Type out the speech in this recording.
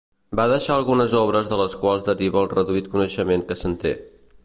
Va deixar algunes obres de les quals deriva el reduït coneixement que se'n té.